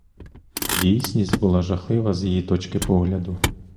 Дійсність була жахлива з її точки погляду.